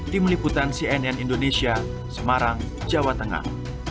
di meliputan cnn indonesia semarang jawa tengah